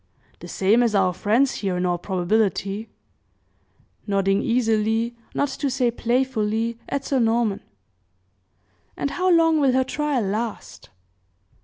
"The same as our friend's here, in all probability," nodding easily, not to say playfully, at Sir Norman. "And how long will her trial last?"